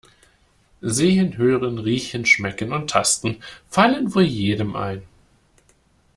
Sehen, Hören, Riechen, Schmecken und Tasten fallen wohl jedem ein.